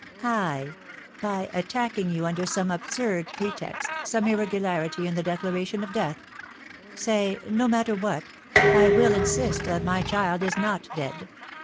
"I, by attacking you under some absurd pretext, some irregularity in the declaration of death; say no matter what I will insist that my child is not dead.